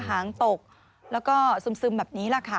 หางตกแล้วก็ซึมแบบนี้แหละค่ะ